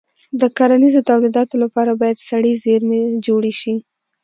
د کرنیزو تولیداتو لپاره باید سړه زېرمې جوړې شي.